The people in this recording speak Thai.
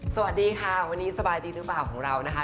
สวัสดีค่ะวันนี้สบายดีหรือเปล่าของเรานะคะ